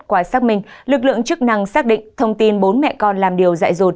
qua xác minh lực lượng chức năng xác định thông tin bốn mẹ con làm điều dại dột